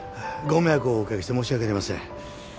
ご迷惑をお掛けして申し訳ありません。